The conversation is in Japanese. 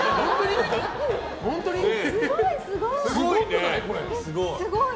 え、すごい！